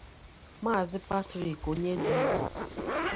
Maazị Patrick Onyedum